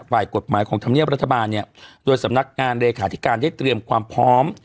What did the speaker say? ฝ่ายกฎหมายของธรรมเนียบรัฐบาลเนี่ยโดยสำนักงานเลขาธิการได้เตรียมความพร้อม